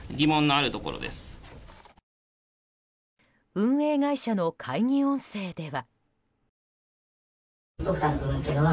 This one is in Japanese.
運営会社の会議音声では。